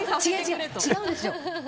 違うんですよ。